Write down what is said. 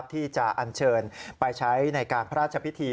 ที่จะอันเชิญไปใช้ในการพระราชพิธี